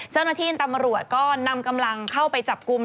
เศรษฐีนตำรวจก็นำกำลังเข้าไปจับกลุ่ม